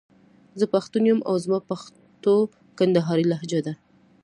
زه پښتون يم او زما پښتو کندهارۍ لهجه ده.